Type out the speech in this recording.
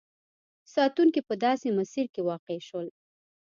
ساتونکي په داسې مسیر کې واقع شول.